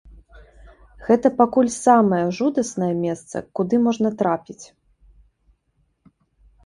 Гэта пакуль самае жудаснае месца, куды можна трапіць.